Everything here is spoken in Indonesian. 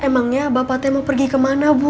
emangnya bapak teh mau pergi kemana bu